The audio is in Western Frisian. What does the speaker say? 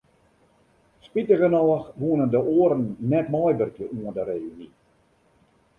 Spitigernôch woene de oaren net meiwurkje oan de reüny.